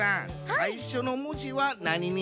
さいしょのもじはなににする？